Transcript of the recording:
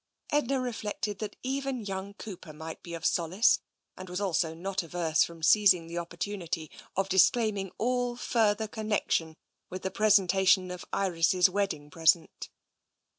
Edna reflected that even young Cooper might be of solace, and was also not averse from seizing the oppor tunity of disclaiming all further connection with the presentation of Iris' wedding present.